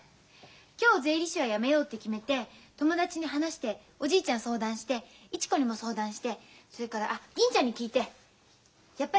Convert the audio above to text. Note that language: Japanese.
今日税理士はやめようって決めて友達に話しておじいちゃん相談して市子にも相談してそれからあっ銀ちゃんに聞いてやっぱり決めた。